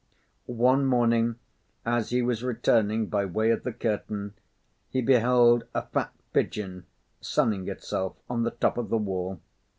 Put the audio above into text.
One morning, as he was returning by way of the curtain, he beheld a fat pigeon sunning itself on the top of the wall.